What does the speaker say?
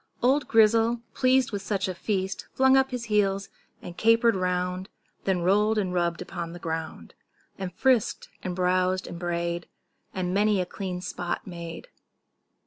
Old Grizzle, pleased with such a feast, Flung up his heels, and caper'd round, Then roll'd and rubb'd upon the ground, And frisk'd and browsed and bray'd, And many a clean spot made.